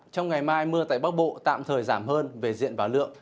trong ngày mai mưa tại bắc bộ tạm thời giảm hơn về diện và lượng